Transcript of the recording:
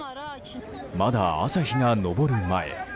まだ朝日が昇る前。